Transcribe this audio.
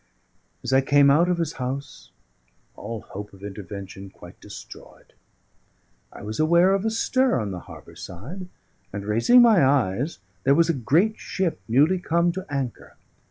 As I came out of his house, all hope of intervention quite destroyed, I was aware of a stir on the harbour side, and, raising my eyes, there was a great ship newly come to anchor.